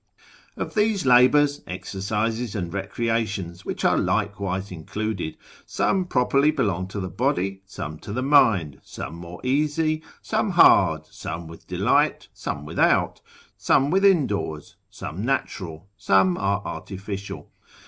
Of these labours, exercises, and recreations, which are likewise included, some properly belong to the body, some to the mind, some more easy, some hard, some with delight, some without, some within doors, some natural, some are artificial.